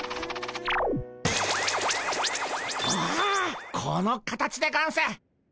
おこの形でゴンス！